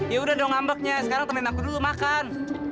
yaudah dong ngambeknya sekarang temen aku dulu makan